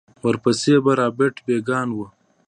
ورپسې به رابرټ بېکان و.